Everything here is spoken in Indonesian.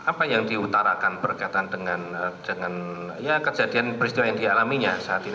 apa yang diutarakan berkaitan dengan kejadian peristiwa yang dialaminya saat ini